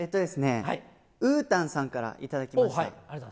うーたんさんから頂きました。